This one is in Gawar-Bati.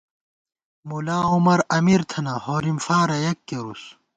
ملاعمر امیر تھنہ ، ہورِم فارہ یک کېرُوس